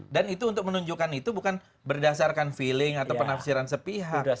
dan itu untuk menunjukkan itu bukan berdasarkan feeling atau penafsiran sepihak